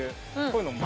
こういうのを。